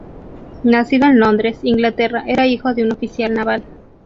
Nacido en Londres, Inglaterra, era hijo de un oficial naval.